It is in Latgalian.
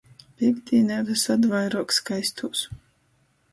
Pīktdīnē vysod vairuok skaistūs.